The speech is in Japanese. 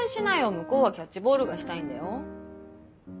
向こうはキャッチボールがしたいんだよ。